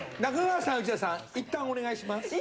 中川さん、内田さん、いったんお願いします。